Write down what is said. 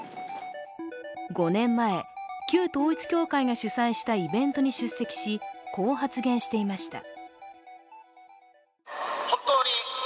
５年前、旧統一教会が主催したイベントに出席しこう発言していました。